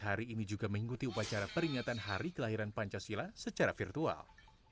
hari ini juga mengikuti upacara peringatan hari kelahiran pancasila secara virtual